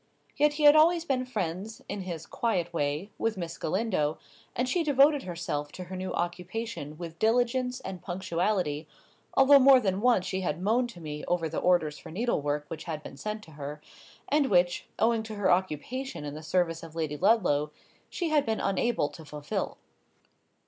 Yet he had always been friends, in his quiet way, with Miss Galindo, and she devoted herself to her new occupation with diligence and punctuality, although more than once she had moaned to me over the orders for needlework which had been sent to her, and which, owing to her occupation in the service of Lady Ludlow, she had been unable to fulfil.